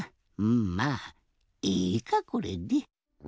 うんまあいいかこれで。